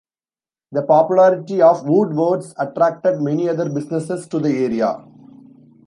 The popularity of Woodward's attracted many other businesses to the area.